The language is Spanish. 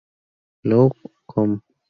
Long, com.